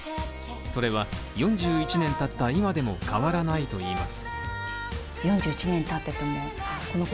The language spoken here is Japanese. それは、４１年経った今でも変わらないといいます。